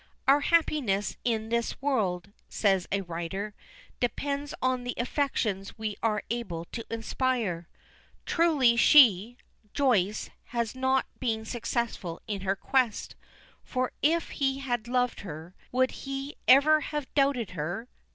"Our happiness in this world," says a writer, "depends on the affections we are able to inspire." Truly she Joyce has not been successful in her quest. For if he had loved her, would he ever have doubted her?